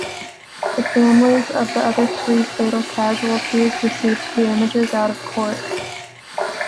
The families of the other three fatal casualties received damages out of court.